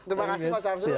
terima kasih mas ardhul